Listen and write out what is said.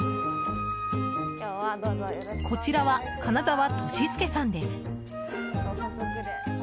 こちらは金澤利翼さんです。